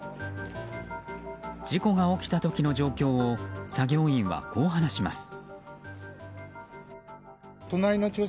事故が起きた時の状況を作業員はこう話します。